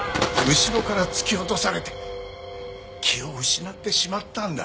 後ろから突き落とされて気を失ってしまったんだ。